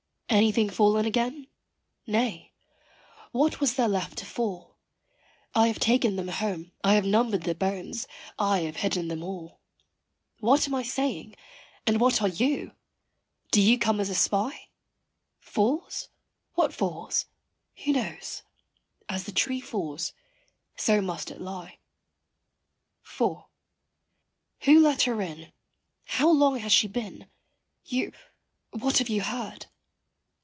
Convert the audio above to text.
Anything fallen again? nay what was there left to fall? I have taken them home, I have numbered the bones, I have hidden them all. What am I saying? and what are you? do you come as a spy? Falls? what falls? who knows? As the tree falls so must it lie. IV. Who let her in? how long has she been? you what have you heard?